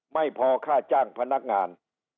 ไม่พอค่าจ้างพนักงาน